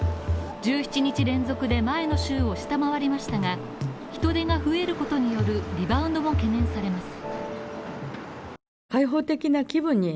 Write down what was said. １７日連続で前の週を下回りましたが、人出が増えることによるリバウンドも懸念されます。